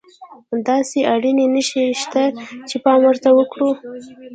داسې اړينې نښې شته چې پام ورته وکړو.